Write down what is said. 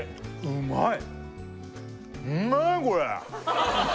うまい！